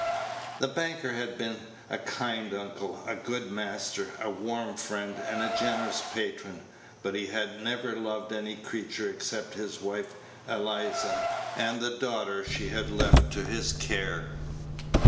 The banker had been a kind uncle, a good master, a warm friend, and a generous patron; but he had never loved any creature except his wife Eliza and the daughter she had left to his care.